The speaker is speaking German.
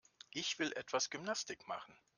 Ich will etwas Gymnastik machen.